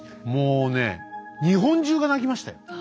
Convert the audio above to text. もうね日本中が泣きましたよ。